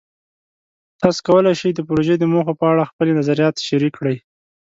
تاسو کولی شئ د پروژې د موخو په اړه خپلې نظریات شریک کړئ.